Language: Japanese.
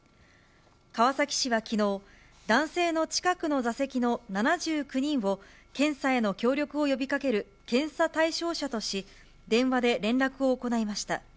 川崎市はきのう、男性の近くの座席の７９人を、検査への協力を呼びかける検査対象者とし、電話で連絡を行いました。